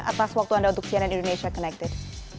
atas waktu anda untuk cnn indonesia connected